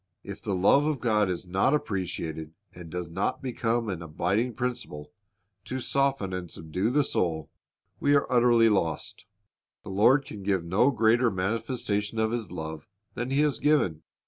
If the love of God is not appreciated, and does not become an abiding principle, to soften and subdue the soul, we are utterly lost. The Lord can give no greater manifestation of His love than He has given.